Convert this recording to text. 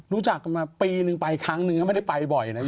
รู้จักกันมาปีนึงไปครั้งนึงก็ไม่ได้ไปบ่อยนะ